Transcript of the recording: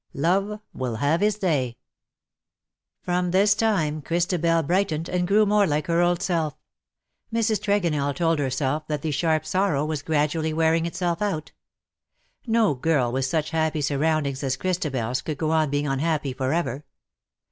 ^E AVILL HAVE HIS From this time Christabel brightened and grew more like her old self. Mrs. Tregonell told herself that the sharp sorrow was gradually wearing itself out. No girl with such happy surroundings as ChristabeFs could go on being unhappy for ever.